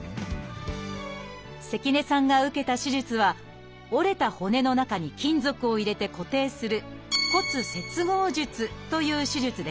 関根さんが受けた手術は折れた骨の中に金属を入れて固定する「骨接合術」という手術です。